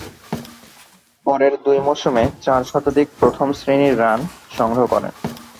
পরের দুই মৌসুমে চার শতাধিক প্রথম-শ্রেণীর রান সংগ্রহ করেন।